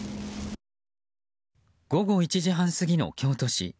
午後１時半過ぎの京都市。